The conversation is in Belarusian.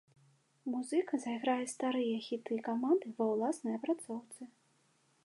Музыка зайграе старыя хіты каманды ва ўласнай апрацоўцы.